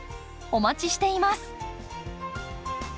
お待ちしています。